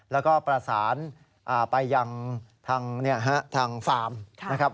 แล้วก็ประสานไปยังทางฟาร์มนะครับ